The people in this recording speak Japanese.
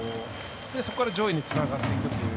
そこから上位につながっていくという。